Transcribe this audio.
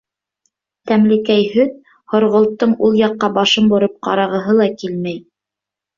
Тәмлекәй һөт. һорғолттоң ул яҡҡа башын бороп ҡарағыһы ла килмәй.